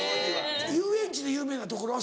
遊園地で有名な所は？